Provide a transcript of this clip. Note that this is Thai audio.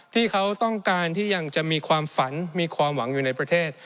ที่เขาต้องการที่ยังจะมีความฝันมีความหวังอยู่ในประเทศ